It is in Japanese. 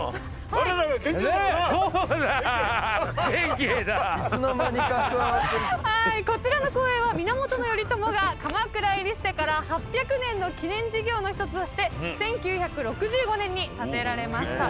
はいこちらの公園は源頼朝が鎌倉入りしてから８００年の記念事業の一つとして１９６５年に建てられました。